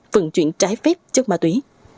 phần chuyển trái phép chất ma túy